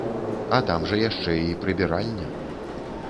А там жа яшчэ і прыбіральня.